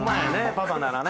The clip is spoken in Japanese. パパならね。